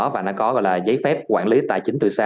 và nó có gọi là giấy phép quản lý tài chính từ xa